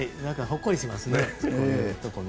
ほっこりしますね。